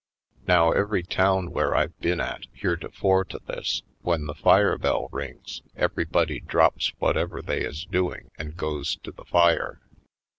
Now, every town where I've been at heretofore to this, when the fire bell rings everybody drops whatever they is doing and goes to the fire.